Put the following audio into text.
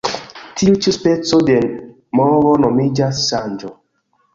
Tiu ĉi speco de movo nomiĝas ŝanĝo.